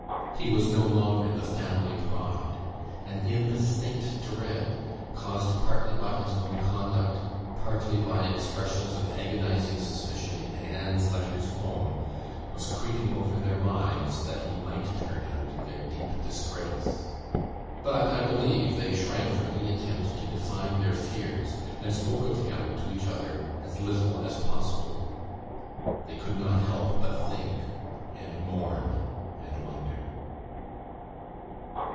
He was no longer the family pride; an indistinct dread, caused partly by his own conduct, partly by expressions of agonising suspicion in Anne's letters home, was creeping over their minds that he might turn out their deep disgrace. But, I believe, they shrank from any attempt to define their fears, and spoke of him to each other as little as possible. They could not help but think, and mourn, and wonder.